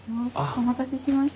お待たせしました。